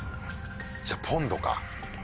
じゃあポンドか。